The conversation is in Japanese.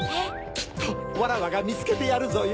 きっとわらわがみつけてやるぞよ！